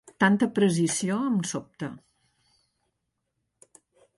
Tanta precisió em sobta.